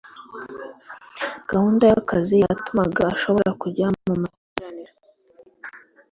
gahunda y akazi yatumaga ashobora kujya mu materaniro